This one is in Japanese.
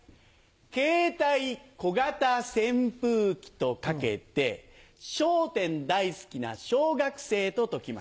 携帯小型扇風機と掛けて『笑点』大好きな小学生と解きます。